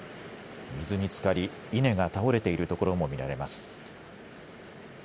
水につかり稲が倒れているところも見られます。